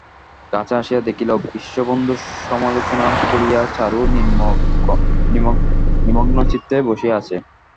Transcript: কাছে আসিয়া দেখিল, বিশ্ববন্ধুর সমালোচনা খুলিয়া চারু নিমগ্নচিত্তে বসিয়া আছে।